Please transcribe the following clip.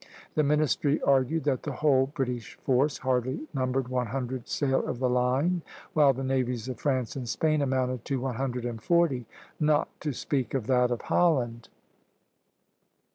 The ministry argued that the whole British force hardly numbered one hundred sail of the line, while the navies of France and Spain amounted to one hundred and forty, not to speak of that of Holland.